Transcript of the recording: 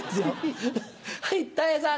はいたい平さん。